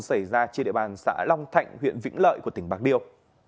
xảy ra trên địa bàn xã long thạnh huyện vĩnh lợi của tỉnh bạc liêu